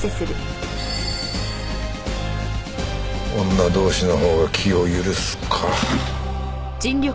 女同士のほうが気を許すか。